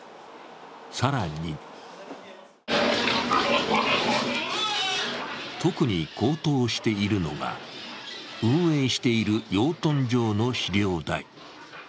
更に特に高騰しているのが運営している養豚場の飼料代。